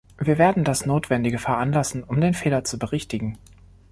Wir werden das notwendige veranlassen, um den Fehler zu berichtigen.